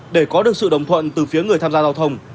để có được sự đồng thuận từ phía người tham gia giao thông